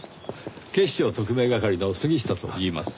警視庁特命係の杉下といいます。